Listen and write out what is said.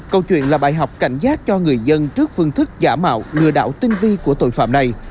câu chuyện là bài học cảnh giác cho người dân trước phương thức giả mạo lừa đảo tinh vi của tội phạm này